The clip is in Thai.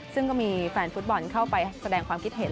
ซึ่งก็มีแฟนฟุตบอลเข้าไปแสดงความคิดเห็น